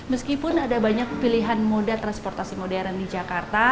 meskipun ada banyak pilihan moda transportasi modern di jakarta